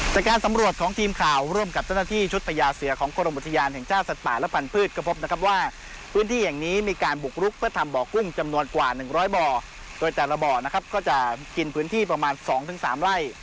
จัดการสำรวจของทีมข่าวร่วมกับท่านที่ชุดประยาเสียของกรมอุทยานแห่งชาติสัตว์ป่าและปันพืช